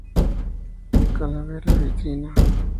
Calavera en vitrina.